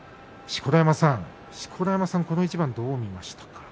錣山さん、この一番どう見ましたか。